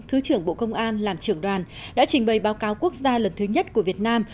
thứ trưởng bộ công an làm trưởng đoàn đã trình bày báo cáo quốc gia lần thứ nhất của việt nam